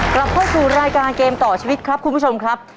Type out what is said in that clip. กลับเข้าสู่รายการเกมต่อชีวิตครับคุณผู้ชมครับ